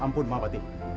ampun mbak bati